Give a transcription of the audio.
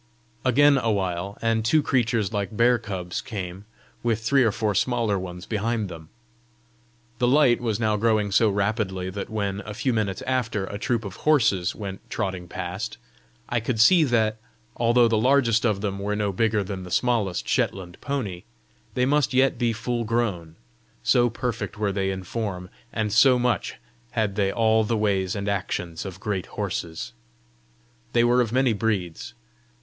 Again a while, and two creatures like bear cubs came, with three or four smaller ones behind them. The light was now growing so rapidly that when, a few minutes after, a troop of horses went trotting past, I could see that, although the largest of them were no bigger than the smallest Shetland pony, they must yet be full grown, so perfect were they in form, and so much had they all the ways and action of great horses. They were of many breeds.